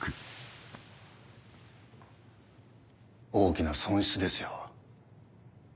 大きな損失ですよ。